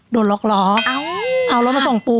โดนล็อกล้อเอารถมาส่งปู